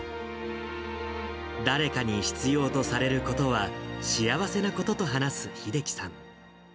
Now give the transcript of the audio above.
誰かに必要とされることは、幸せなことと話す秀樹さん。